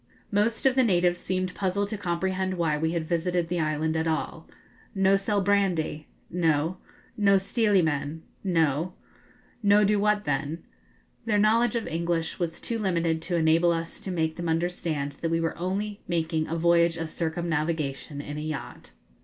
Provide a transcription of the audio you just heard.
Most of the natives seemed puzzled to comprehend why we had visited the island at all. 'No sell brandy?' 'No.' 'No stealy men?' 'No.' 'No do what then?' Their knowledge of English was too limited to enable us to make them understand that we were only making a voyage of circumnavigation in a yacht.